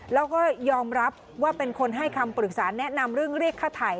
แล้วก็ยอมรับว่าเป็นคนให้คำปรึกษาแนะนำเรื่องเรียกค่าถ่าย